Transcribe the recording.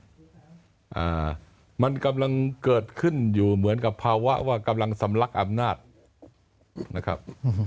อ่ามันกำลังเกิดขึ้นอยู่เหมือนกับภาวะว่ากำลังสำลักอำนาจนะครับ